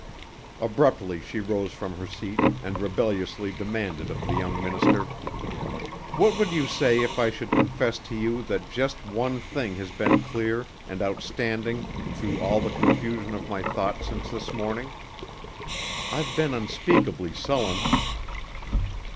Abruptly she rose from her seat and rebelliously demanded of the young minister, "What would you say if I should confess to you that just one thing has been clear and outstanding through all the confusion of my thoughts since this morning? I've been unspeakably sullen."